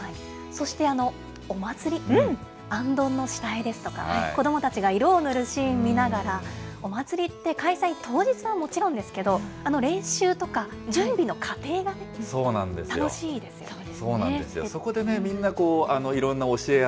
そしてお祭り、行燈の下絵ですとか、子どもたちが色を塗るシーン見ながら、お祭りって開催当日はもちろんですけど、練習とか準備の過程がね、楽しいですよね。